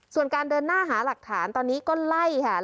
ส่วนการเดินหน้าหาหลักฐานตอนนี้ก็ไล่ค่ะ